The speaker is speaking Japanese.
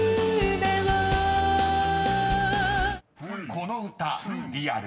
［この歌リアル？